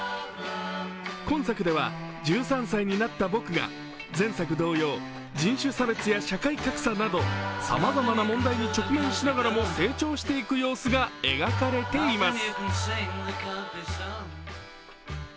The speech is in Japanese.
今作では、１３歳になったぼくが、前作同様人種差別や社会格差などさまざまな問題に直面しつつも成長していく様子が描かれています。